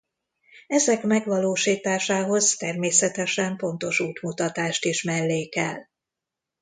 Ezek megvalósításához természetesen pontos útmutatást is mellékel.